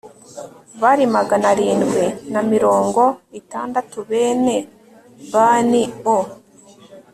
bari magana arindwi na mirongo itandatu bene bani o